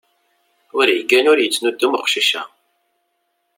Ur yeggan ur yettnudum uqcic-a.